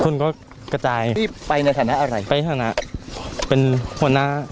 คุณก็กระจายรีบไปในฐานะอะไรไปฐานะเป็นหัวหน้า